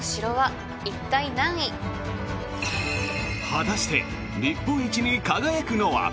果たして、日本一に輝くのは？